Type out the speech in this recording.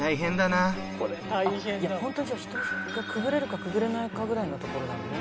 ホントにじゃあ人がくぐれるかくぐれないかぐらいの所なのね。